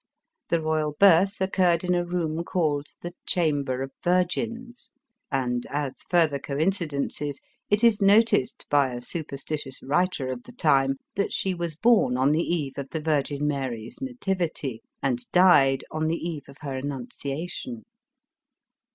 The royal birth <K eurre»l in a room called the Chamber of Virgins; and, as further coincidences, it is noticed by a supersti tious writer of the time, that she was born on the eve of tin Virgin Mark's nativity, and died on the eve of her Annunciation.